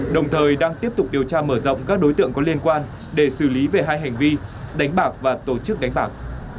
đồng thời đang tiếp tục điều tra mở rộng các đối tượng có liên quan để xử lý về hai hành vi đánh bạc và tổ chức đánh bạc